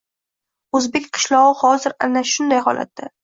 O‘zbek qishlog‘i hozir aynan shunday holatda